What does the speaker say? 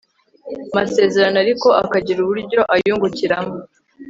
masezerano ariko akagira uburyo ayungukiramo